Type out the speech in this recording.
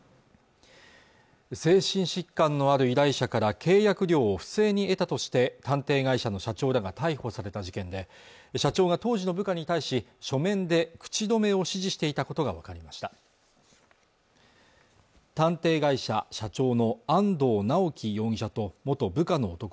精神疾患のある依頼者から契約料を不正に得たとして探偵会社の社長らが逮捕された事件で社長が当時の部下に対し書面で口止めを指示していたことが分かりました探偵会社社長の安藤巨樹容疑者と元部下の男